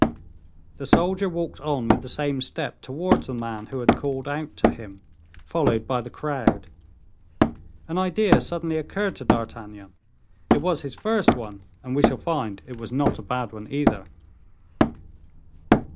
The soldier walked on with the same step towards the man who had called out to him, followed by the crowd. An idea suddenly occurred to D'Artagnan; it was his first one, and we shall find it was not a bad one either.